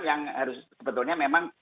yang harus sebetulnya memang